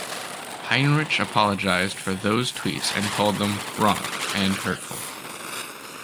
Heinrich apologized for those Tweets and called them "wrong and hurtful".